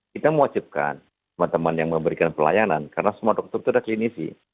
kita mewajibkan teman teman yang memberikan pelayanan karena semua dokter itu ada klinisi